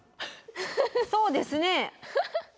そうですね。